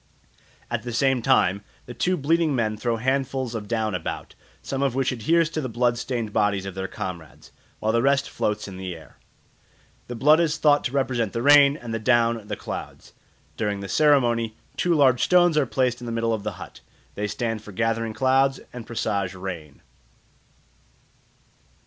At the same time the two bleeding men throw handfuls of down about, some of which adheres to the blood stained bodies of their comrades, while the rest floats in the air. The blood is thought to represent the rain, and the down the clouds. During the ceremony two large stones are placed in the middle of the hut; they stand for gathering clouds and presage rain.